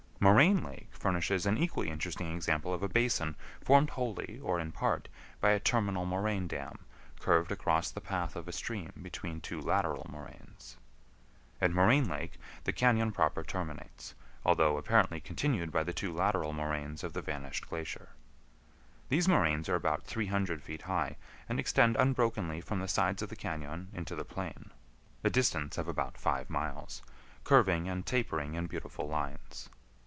Moraine Lake furnishes an equally interesting example of a basin formed wholly, or in part, by a terminal moraine dam curved across the path of a stream between two lateral moraines. At Moraine Lake the cañon proper terminates, although apparently continued by the two lateral moraines of the vanished glacier. These moraines are about 300 feet high, and extend unbrokenly from the sides of the cañon into the plain, a distance of about five miles, curving and tapering in beautiful lines.